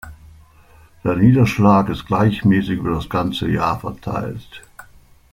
Der Niederschlag ist gleichmäßig über das ganze Jahr verteilt.